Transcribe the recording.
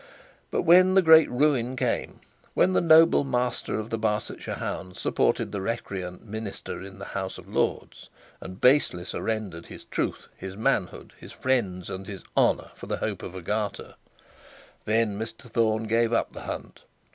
But the great ruin came; when the noble master of the Barchester hounds supported the recreant minister in the House of Lords, and basely surrendered his truth, his manhood, his friends, and his honour for the hope of a garter, then Mr Thorne gave up the hunt.